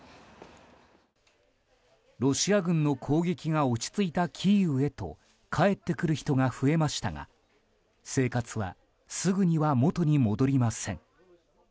ロシア軍の攻撃が落ち着いたキーウへと帰ってくる人が増えましたが生活はすぐには元に戻りません。